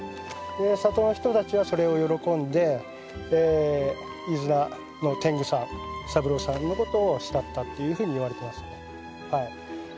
で里の人たちはそれを喜んで飯縄の天狗さん三郎さんのことを慕ったっていうふうにいわれてますね。